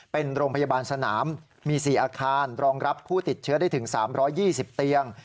เป็นโรงพยาบาลสนามมี๔อาคารรองรับผู้ติดเชื้อได้ถึง๓๒๐เตียง